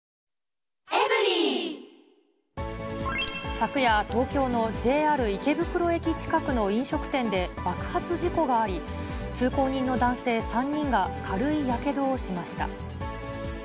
昨夜、東京のＪＲ池袋駅近くの飲食店で爆発事故があり、通行人の男性３人が軽いやけどをしました。